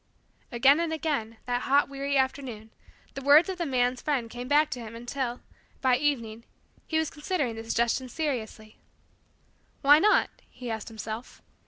Again and again, that hot, weary, afternoon, the words of the man's friend came back to him until, by evening, he was considering the suggestion seriously. "Why not?" he asked himself.